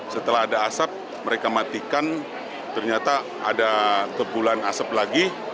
setelah ada asap mereka matikan ternyata ada kepulan asap lagi